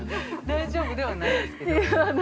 ◆大丈夫ではない。